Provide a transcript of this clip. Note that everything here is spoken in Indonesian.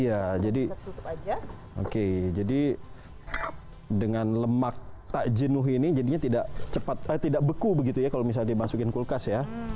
iya jadi oke jadi dengan lemak tak jenuh ini jadinya tidak cepat tapi tidak beku begitu ya kalau misalnya dimasukin kulkas ya